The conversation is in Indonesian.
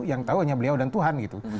yang tahu hanya beliau dan tuhan gitu